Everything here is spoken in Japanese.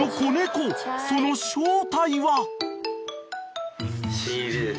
［その正体は］